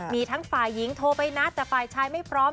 มีทั้งฝ่ายหญิงโทรไปนัดแต่ฝ่ายชายไม่พร้อม